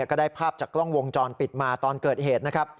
ก็ได้ภาพจากกล้องวงจรปิดมาตอนเกิดเหตุนะครับ